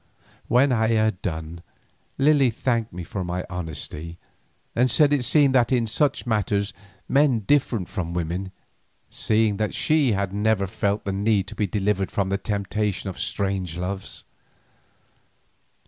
When I had done Lily thanked me for my honesty and said it seemed that in such matters men differed from women, seeing that SHE had never felt the need to be delivered from the temptation of strange loves.